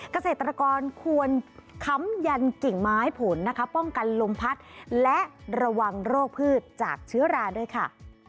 เกษตรกรควรค้ำยันกิ่งไม้ผลนะคะป้องกันลมพัดและระวังโรคพืชจากเชื้อราด้วยค่ะ